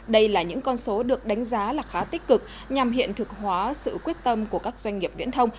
đây là những con số được đánh giá là khá tích cực nhằm hiện thực hóa sự quyết tâm của các doanh nghiệp viễn thông